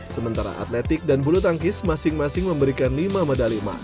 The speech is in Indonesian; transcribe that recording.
sementara atletik dan bulu tangkis masing masing memberikan lima medali emas